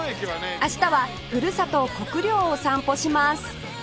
明日はふるさと国領を散歩します